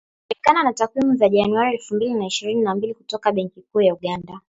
Kulingana na takwimu za Januari elfu mbili ishirini na mbili kutoka Benki Kuu ya Uganda,